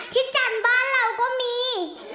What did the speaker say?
จันทร์บ้านเราก็มี